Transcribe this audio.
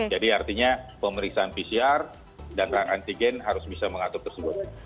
jadi artinya pemeriksaan pcr dan antigen harus bisa mengatur tersebut